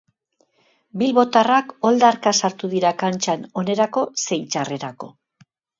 Bilbotarrak oldarka sartu dira kantxan onerako zein txarrerako.